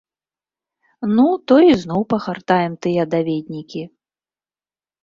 Ну, то ізноў пагартаем тыя даведнікі.